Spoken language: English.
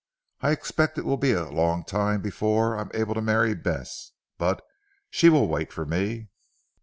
I expect it will be a long time before I am able to marry Bess. But she will wait for me."